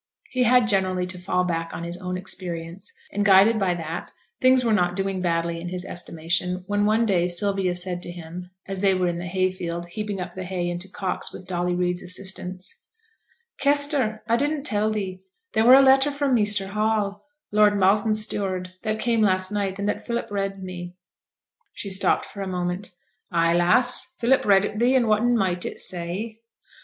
He had generally to fall back on his own experience; and, guided by that, things were not doing badly in his estimation, when, one day, Sylvia said to him, as they were in the hay field, heaping up the hay into cocks with Dolly Reid's assistance 'Kester I didn't tell thee there were a letter from Measter Hall, Lord Malton's steward, that came last night and that Philip read me.' She stopped for a moment. 'Ay, lass! Philip read it thee, and whatten might it say?'